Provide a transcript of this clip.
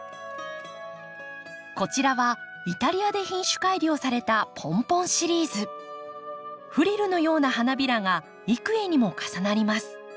こちらはイタリアで品種改良されたフリルのような花びらが幾重にも重なります。